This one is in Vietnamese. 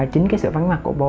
chính cái sự vắng mặt của bố